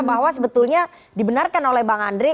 bahwa sebetulnya dibenarkan oleh bang andre